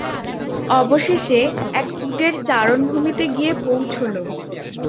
অবশেষে এক উটের চারণ ভূমিতে গিয়ে পৌঁছল।